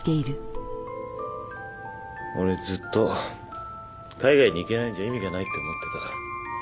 俺ずっと海外に行けないんじゃ意味がないって思ってた。